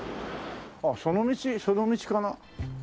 あっその道その道かな？